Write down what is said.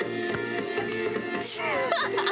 アハハハ！